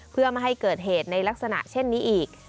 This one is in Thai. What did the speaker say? เพื่อไม่ให้เกิดเหตุในลักษณะเช่นนี้อีก